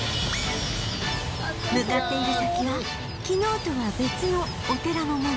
向かっている先は昨日とは別のお寺の門